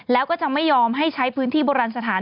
แล้วก็จะไม่ยอมให้ใช้พื้นที่โบราณสถาน